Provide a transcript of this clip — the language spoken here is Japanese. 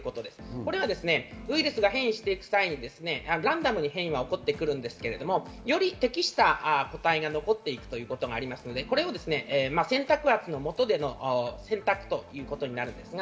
これはウイルスが変異していく際にランダムに変異が起こってくるんですけど、より適した個体が残っていくということがありますので、選択枠の下での選択ということになるんですが。